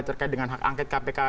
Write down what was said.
terkait dengan hak angket kpk